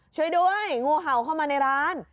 ช่วยด้วยงูเห่าเข้ามาในร้าน